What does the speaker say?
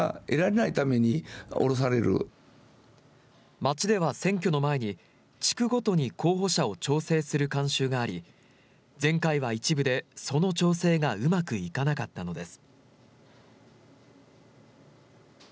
町では選挙の前に地区ごとに候補者を調整する慣習があり、前回は一部でその調整がうまくいかなかったのです。